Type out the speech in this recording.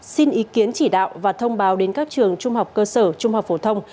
xin ý kiến chỉ đạo và thông báo đến các trường trung học cơ sở trung học phổ thông